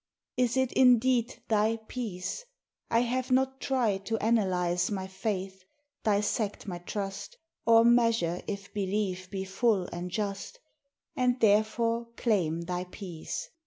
Is it indeed thy peace? I have not tried To analyze my faith, dissect my trust, Or measure if belief be full and just, And therefore claim thy peace.